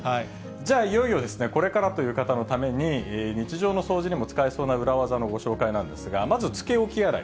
じゃあ、いよいよですね、これからという方のために、日常の掃除にも使えそうな裏技のご紹介なんですが、まずつけ置き洗い。